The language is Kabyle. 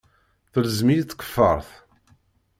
Telzem-iyi tkeffaṛt.